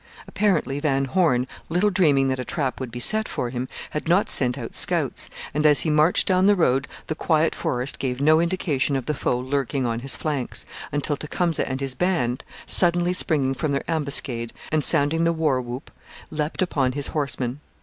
Apparently Van Horne, little dreaming that a trap would be set for him, had not sent out scouts; and as he marched down the road the quiet forest gave no indication of the foe lurking on his flanks, until Tecumseh and his band, suddenly springing from their ambuscade and sounding the war whoop, leaped upon his horsemen.